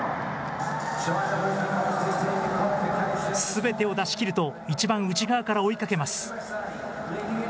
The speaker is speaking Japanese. すべてを出しきると、一番内側から追いかけます。